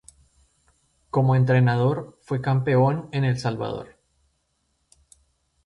Como entrenador fue campeón en El Salvador.